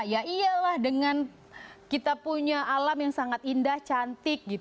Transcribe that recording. ya iyalah dengan kita punya alam yang sangat indah cantik